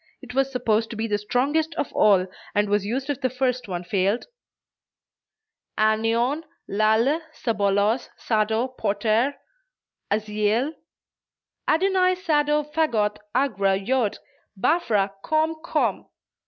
It was supposed to be the strongest of all, and was used if the first one failed: "Anion, Lalle, Sabolos, Sado, Poter, Aziel, Adonai Sado Vagoth Agra, Jod, Baphra! Komm! Komm!"